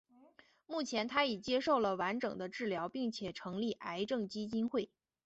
目前她已接受了完整的治疗并且成立癌症基金会。